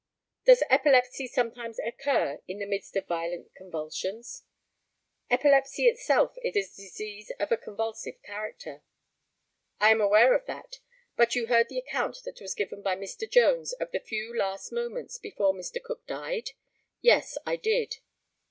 Does epilepsy sometimes occur in the midst of violent convulsions? Epilepsy itself is a disease of a convulsive character. I am aware of that; but you heard the account that was given by Mr. Jones of the few last moments before Mr. Cook died? Yes, I did.